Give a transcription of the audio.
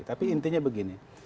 tapi intinya begini